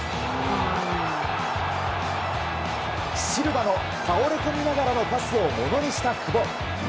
シルバの倒れ込みながらのパスをものにした久保。